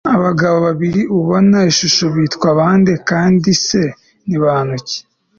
abagabo babiri ubona ku ishusho bitwa bande, kandi se ni bantu ki